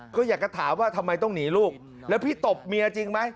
ก็อยากจะถามว่าทำไมต้องหนีลูกแล้วพี่ตบเมียจริงไหม